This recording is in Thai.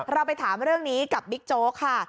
เราไปถามเรื่องนี้กับบิ๊กโจ๊กค่ะ